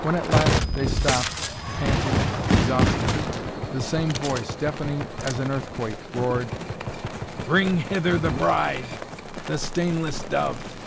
When at last they stopped, panting, exhausted, the same voice, deafening as an earthquake, roared: "Bring hither the bride the stainless dove!"